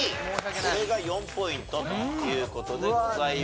これが４ポイントという事でございます。